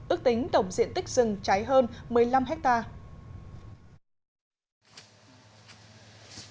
ước tính tổng diện tích rừng cháy hơn một mươi năm hectare